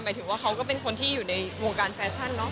หมายถึงว่าเขาก็เป็นคนที่อยู่ในวงการแฟชั่นเนาะ